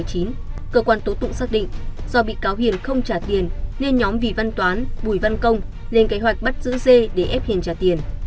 cơ quan tố tụng xác định do bị cáo hiền không trả tiền nên nhóm vì văn toán bùi văn công lên kế hoạch bắt giữ dê để ép hiền trả tiền